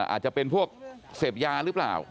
อาจจะเป็นเซ็บยาหรือเปล่า